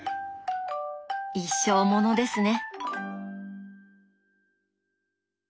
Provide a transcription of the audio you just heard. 一生ものですね！